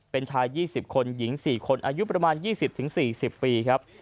เป็นชาย๒๐คนหญิง๔คนอายุประมาณ๒๐๔๐ปีครับ